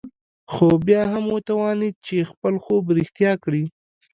خو بيا هم وتوانېد چې خپل خوب رښتيا کړي.